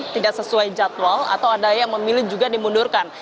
tidak sesuai jadwal atau ada yang memilih juga dimundurkan